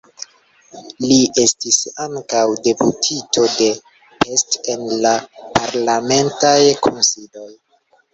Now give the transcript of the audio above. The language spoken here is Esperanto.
Li estis ankaŭ deputito de Pest en la parlamentaj kunsidoj.